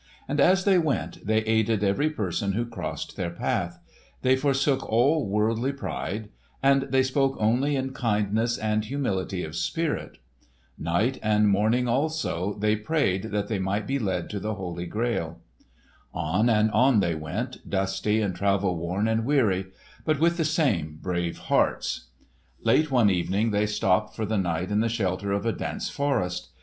And as they went they aided every person who crossed their path; they forsook all worldly pride; and they spoke only in kindness and humility of spirit. Night and morning, also, they prayed that they might be led to the Holy Grail. On and on they went, dusty and travel worn and weary, but with the same brave hearts. Late one evening they stopped for the night in the shelter of a dense forest.